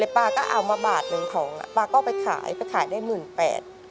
ป้าก็เอามาบาทหนึ่งของอ่ะป้าก็ไปขายไปขายได้หมื่นแปด